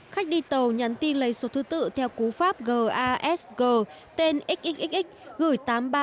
khách đi tàu nhắn tin lấy số thứ tự theo cú pháp gasg tên xxxx gửi tám nghìn ba trăm bảy mươi bảy